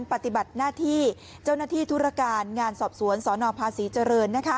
ปฏิบัติหน้าที่เจ้าหน้าที่ธุรการงานสอบสวนสนภาษีเจริญ